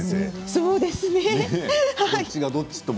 そうですね。